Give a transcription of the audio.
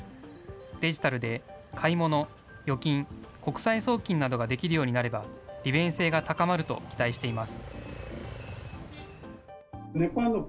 デジタルで買い物、預金、国際送金などができるようになれば、利便性が高まると期待しています。